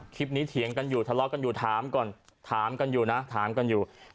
เถียงกันอยู่ทะเลาะกันอยู่ถามก่อนถามกันอยู่นะถามกันอยู่